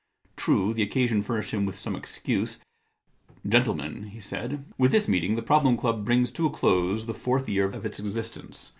True, the occasion furnished him with some excuse. * Gentlemen,* he said, * with this meeting 105 The Problem Club the Problem Club brings to a close the fourth year of its existence.